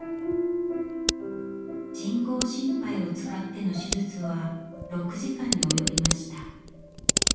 人工心肺を使っての手術は６時間に及びました。